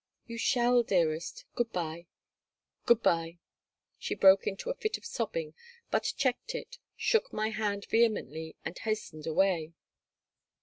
"You shall, dearest. Good by. Good by." She broke into a fit of sobbing, but checked it, shook my hand vehemently and hastened away.